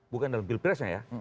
bukan dalam bilpresnya ya